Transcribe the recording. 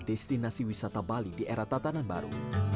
destinasi wisata bali di era tatanan baru